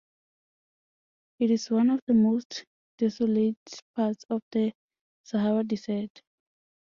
It is one of the most desolate parts of the Sahara Desert.